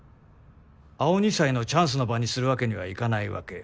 青二才のチャンスの場にするわけにはいかないわけよ。